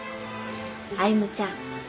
歩ちゃん。